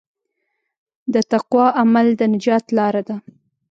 د تقوی عمل د نجات لاره ده.